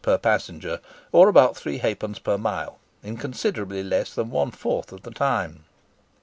per passenger, or about three halfpence per mile, in considerably less than one fourth of the time.